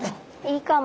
いいかも。